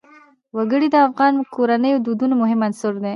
وګړي د افغان کورنیو د دودونو مهم عنصر دی.